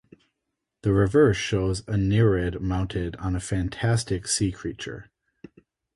The reverse shows a Nereid mounted on a fantastic sea creature.